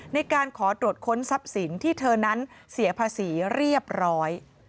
ในการขอตรวจค้นทรัพย์สินที่เธอนั้นเสียภาษีเรียบร้อย